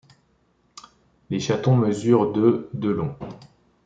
Les chatons mesurent de de long.